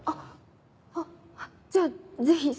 あっじゃあぜひそれを。